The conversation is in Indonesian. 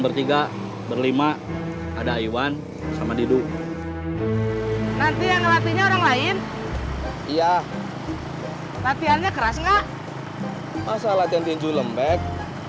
biar sayanya nanti gak lembek